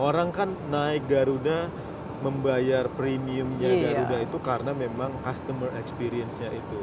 orang kan naik garuda membayar premiumnya garuda itu karena memang customer experience nya itu